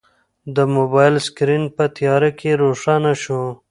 د موبایل سکرین په تیاره کې روښانه شو.